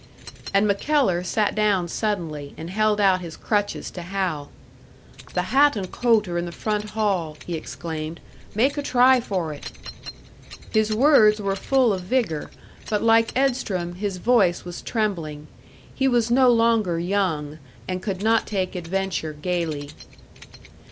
And MacKellar sat down suddenly, and held out his crutches to Hal. "The hat and coat are in the front hall," he exclaimed. "Make a try for it!" His words were full of vigour, but like Edstrom, his voice was trembling. He was no longer young, and could not take adventure gaily.